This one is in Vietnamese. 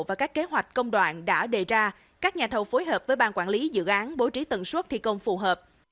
và các kế hoạch công đoạn đã đề ra các nhà thầu phối hợp với ban quản lý dự án bố trí tận suốt thi công phù hợp